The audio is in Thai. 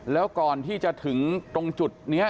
แล้วก่อนที่จะถึงตรงจุดนี้